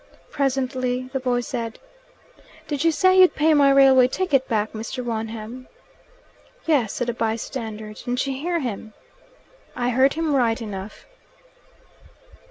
Presently the boy said, "Did you say you'd pay my railway ticket back, Mr. Wonham?" "Yes," said a bystander. "Didn't you hear him?" "I heard him right enough."